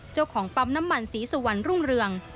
เจ้าของปั๊มน้ำมันศรีสุวรรณรุ่งเรือง